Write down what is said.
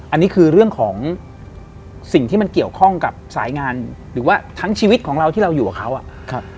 อันนี้คือเรื่องของสิ่งที่มันเกี่ยวข้องกับสายงานหรือว่าทั้งชีวิตของเราที่เราอยู่กับเขาอ่ะครับ